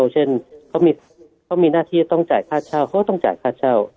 เช่นเขามีหน้าที่ต้องจ่ายค่าเช่าเขาก็ต้องจ่ายค่าเช่า